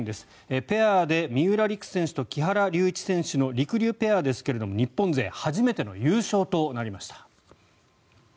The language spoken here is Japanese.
ペアで三浦璃来選手と木原龍一選手のりくりゅうペアですが日本勢初めての優勝となりました。